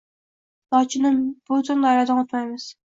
Lochinim bu tun daryodan o‘tmaymiz